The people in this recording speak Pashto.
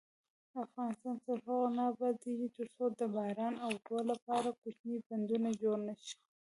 افغانستان تر هغو نه ابادیږي، ترڅو د باران اوبو لپاره کوچني بندونه جوړ نشي.